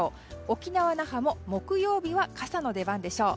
沖縄・那覇も木曜日は傘の出番でしょう。